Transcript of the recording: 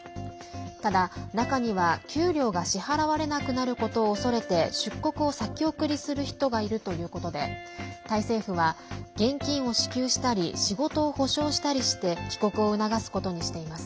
ただ、中には給料が支払われなくなることを恐れて出国を先送りする人がいるということでタイ政府は現金を支給したり仕事を保障したりして帰国を促すことにしています。